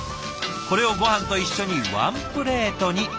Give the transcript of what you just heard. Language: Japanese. これをごはんと一緒にワンプレートに。